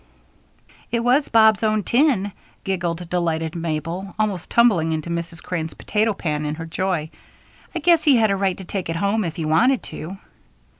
"It was Bob's own tin," giggled delighted Mabel, almost tumbling into Mrs. Crane's potato pan in her joy. "I guess he had a right to take it home if he wanted to."